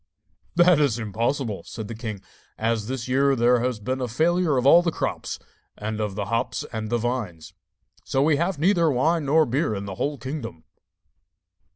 'That is impossible,' said the king, 'as this year there has been a failure of all the crops, and of the hops and the vines; so we have neither wine nor beer in the whole kingdom.